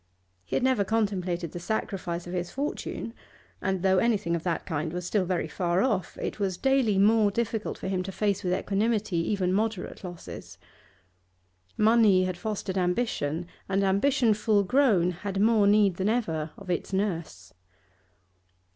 He had never contemplated the sacrifice of his fortune, and though anything of that kind was still very far off, it was daily more difficult for him to face with equanimity even moderate losses. Money had fostered ambition, and ambition full grown had more need than ever of its nurse.